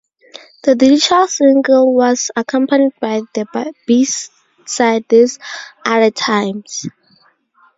The digital single was accompanied by the b-side These are the Times.